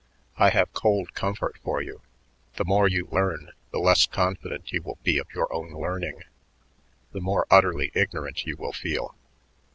I have cold comfort for you: the more you learn, the less confident you will be of your own learning, the more utterly ignorant you will feel.